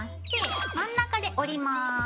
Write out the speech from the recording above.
で真ん中で折ります。